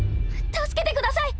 助けてください！